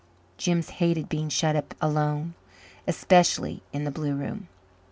Jims hated being shut up alone especially in the blue room.